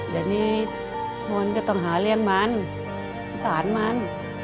เดี๋ยวนี้มันก็ต้องหาเลี้ยงมันสารมัน